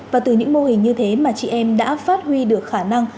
và từ những mô hình như thế mà chị em đã phát huy được khả năng